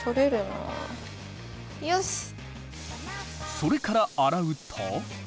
それから洗うと。